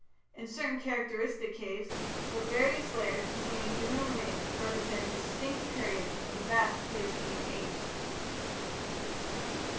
In certain characteristic caves the various layers containing human remains represent distinct periods of the vast Pleistocene Age.